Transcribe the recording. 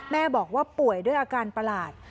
แม่บอกว่าป่วยด้วยอาการประหลาด